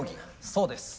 そうです。